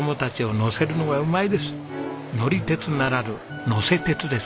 乗り鉄ならぬのせ鉄ですね。